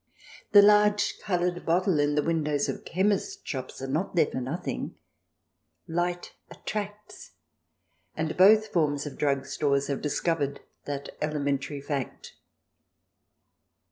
The large coloured bottle in the windows of chemist's shops are not there for nothing ; light attracts, and both forms of drug stores have discovered that elementary fact.